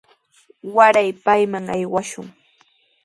Waray payman aywashun.